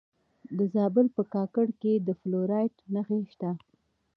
د زابل په کاکړ کې د فلورایټ نښې شته.